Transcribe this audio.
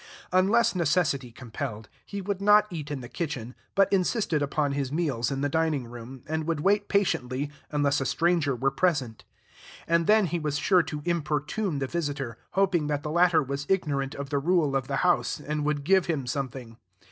Unless necessity compelled, he would not eat in the kitchen, but insisted upon his meals in the dining room, and would wait patiently, unless a stranger were present; and then he was sure to importune the visitor, hoping that the latter was ignorant of the rule of the house, and would give him something.